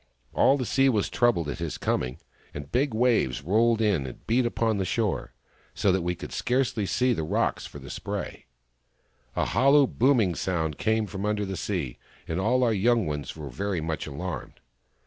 All the sea was troubled at his coming, and big waves rolled in and beat upon the shore, so that we could scarcely see the rocks for spray. A hollow booming sound came from under the sea, and all our young ones were very much alarmed.